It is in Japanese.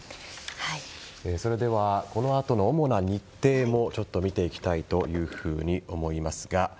それではこのあとの主な日程も見ていきたいと思います。